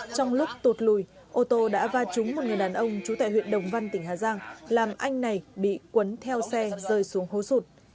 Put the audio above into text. trong lúc tụt lùi ô tô đã va trúng một người đàn ông trú tại huyện đồng văn tỉnh hà giang làm anh này bị cuốn theo xe rơi xuống hố sụt